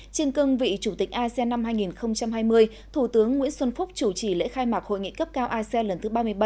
trên cương vị chủ tịch asean năm hai nghìn hai mươi thủ tướng nguyễn xuân phúc chủ trì lễ khai mạc hội nghị cấp cao asean lần thứ ba mươi bảy